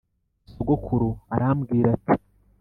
Sogokuru arambwira ati